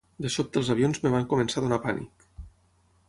De sobte els avions em van començar a donar pànic.